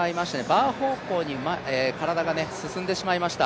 バー方向に体が進んでしまいました。